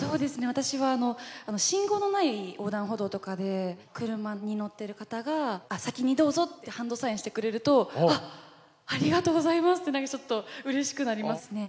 私は信号のない横断歩道とかで車に乗ってる方が先にどうぞってハンドサインしてくれるとあっありがとうございますって何かちょっとうれしくなりますね。